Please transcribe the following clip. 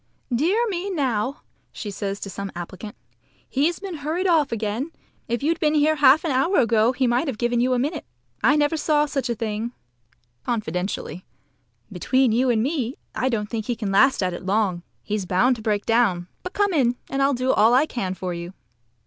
"Dear me, now!" she says to some applicant. "He's been hurried off again. If you'd been here half an hour ago he might have given you a minute. I never saw such a thing" (confidentially). "Between you and me I don't think he can last at it long. He's bound to break down. But come in, and I'll do all I can for you."